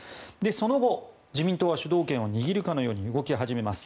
その後、自民党は主導権を握るかのように動き始めます。